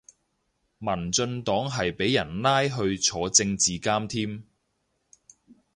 民進黨係俾人拉去坐政治監添